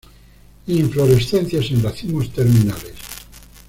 Inflorescencias en racimos terminales.